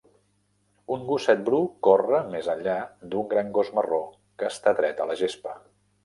Un gosset bru corre més enllà d'un gran gos marró que està dret a la gespa.